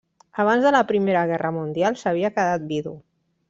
Abans de la primera guerra mundial s'havia quedat vidu.